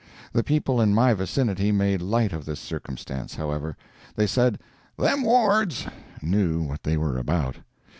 The people in my vicinity made light of this circumstance, however. They said "them Ward's" knew what they were about.